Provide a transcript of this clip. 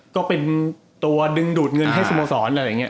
ก็เป็นตัวดึงดูดเงินให้สโมสรอะไรอย่างนี้